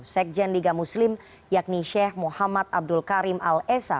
sekjen liga muslim yakni sheikh muhammad abdul karim al esa